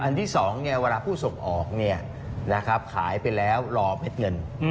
อันที่สองเนี่ยเวลาผู้ส่งออกเนี่ยนะครับขายไปแล้วรอเม็ดเงิน